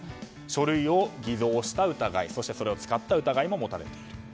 書類を偽造した疑いそして、それを使った疑いも持たれています。